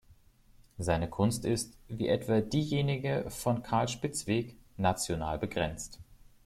Seine Kunst ist, wie etwa diejenige von Carl Spitzweg, national begrenzt.